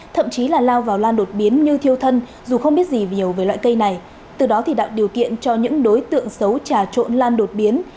thậm chí là lao vào lan đột biến như thiêu thân dù không biết gì nhiều về loại cây này từ đó thì tạo điều kiện cho những đối tượng xấu trà trộn lan đột biến